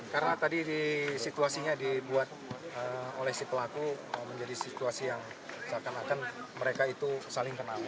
karena tadi situasinya dibuat oleh si pelaku menjadi situasi yang seakan akan mereka itu saling kenal